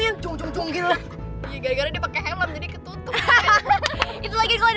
maksudku mudah banget soalnya